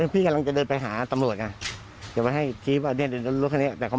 พี่กำลังจะเดินไปห้าตำรวจก็มาว่ายว่าง